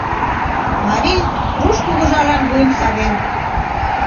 Марий руш кугыжалан вуйым савен.